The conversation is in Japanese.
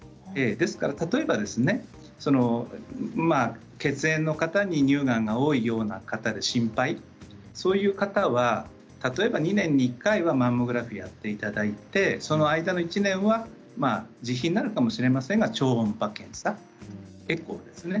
ですから、例えば血縁の方に乳がんが多いような方で心配そういう方は例えば２年に１回はマンモグラフィーをやっていただいてその間の１年は自費になるかもしれませんが超音波検査、エコーですね。